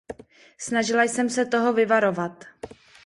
Snažila jsem se toho vyvarovat.